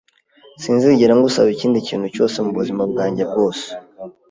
Sinzigera ngusaba ikindi kintu cyose mubuzima bwanjye bwose.